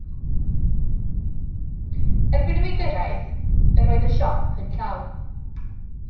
Erbyn i mi gyrraedd, yr oedd y siop yn llawn.